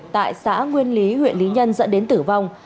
tại xã nguyên lý huyện lý nhân dẫn đến tử vong